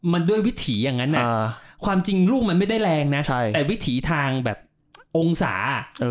มันด้วยวิถีอย่างนั้นความจริงลูกมันไม่ได้แรงนะแต่วิถีทางแบบองศา